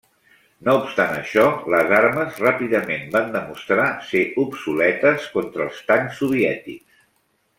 No obstant això, les armes ràpidament van demostrar ser obsoletes contra els tancs soviètics.